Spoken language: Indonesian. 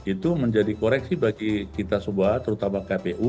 itu menjadi koreksi bagi kita semua terutama kpu